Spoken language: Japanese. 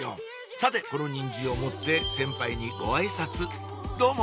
さてこのニンジンを持って先輩にごあいさつどうも！